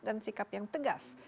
dan sikap yang tegas